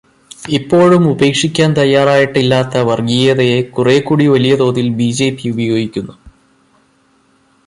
ഇപ്പോഴും ഉപേക്ഷിക്കാന് തയ്യാറായിട്ടില്ലാത്ത വര്ഗീയതയെ കുറേക്കൂടി വലിയ തോതില് ബിജെപി ഉപയോഗിക്കുന്നു.